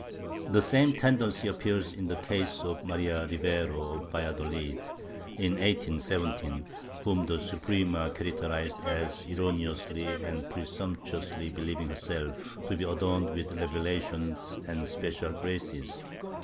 ^ The same tendency appears in the case of Maria Rivero, of Valladolid, in 1817, whom the vSuprema characterized as erroneously and presumptuously believing herself to be adorned with revelations and special graces.